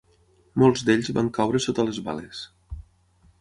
Molts d'ells van caure sota les bales